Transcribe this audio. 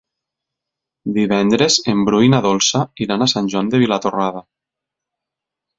Divendres en Bru i na Dolça iran a Sant Joan de Vilatorrada.